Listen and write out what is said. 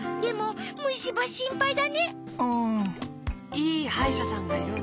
いいはいしゃさんがいるんだ。